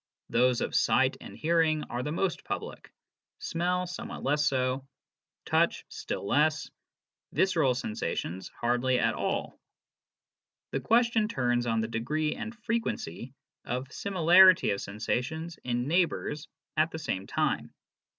Those of sight and hearing are the most public ; smell somewhat less so ; touch still less ; visceral sensations hardly at all. The question turns on the degree and frequency of similarity of sensations in neighbours at the same time.